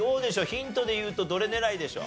ヒントでいうとどれ狙いでしょう？